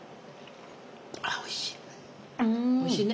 あおいしい。